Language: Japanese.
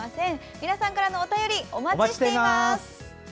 皆さんからのお便りお待ちしています。